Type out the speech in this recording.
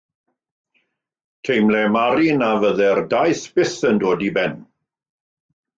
Teimlai Mary na fyddai'r daith byth yn dod i ben.